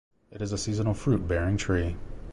It is a seasonal fruit bearing tree.